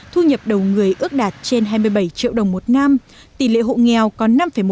thu nhập đầu người ước đạt trên hai mươi bảy triệu đồng một năm tỷ lệ hộ nghèo còn năm một